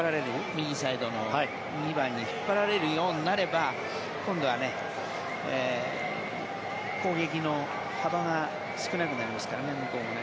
右サイドの１２番に引っ張られるようになれば今度は攻撃の幅が少なくなりますから向こうもね。